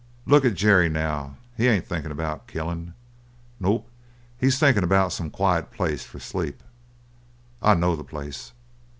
"Look at Jerry now. He ain't thinkin' about killin's. Nope, he's thinkin' about some quiet place for sleep. I know the place.